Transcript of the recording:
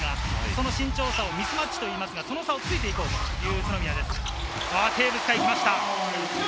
その身長差をミスマッチと言いますが、その差をついて行こうという宇都宮です。